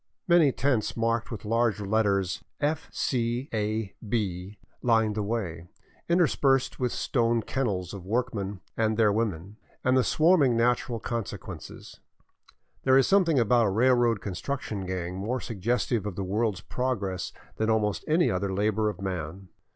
Many tents marked with large letters " F. C. A. B." lined the way, interspersed with the stone kennels of workmen and their women, and the swarming natural con sequences. There is something about a railroad construction gang more suggestive of the world's progress than almost any other labor of man.